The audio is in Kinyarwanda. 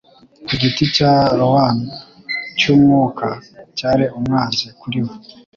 ku giti cya rowan cy'umwuka cyari umwanzi kuri we